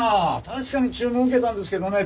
確かに注文受けたんですけどね